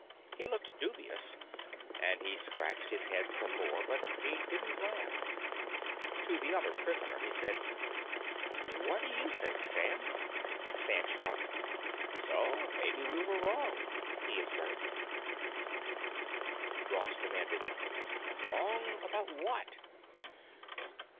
He looked dubious, and he scratched his head some more, but he didn't laugh. To the other prisoner he said, "What do you think, Sam?" Sam shrugged. "So maybe we were wrong," he observed. Ross demanded, "Wrong about what?"